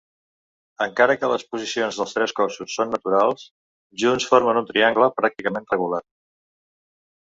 Encara que les posicions dels tres cossos són naturals, junts formen un triangle pràcticament regular.